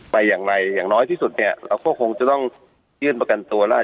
ไปอย่างไรอย่างน้อยที่สุดเนี่ยเราก็คงจะต้องยื่นประกันตัวแล้ว